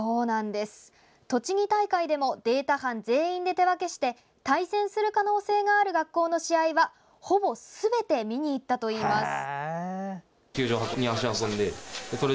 栃木大会でもデータ班全員で手分けして対戦する可能性がある学校の試合はほぼすべて見に行ったといいます。